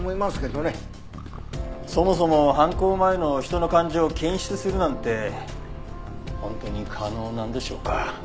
そもそも犯行前の人の感情を検出するなんて本当に可能なんでしょうか？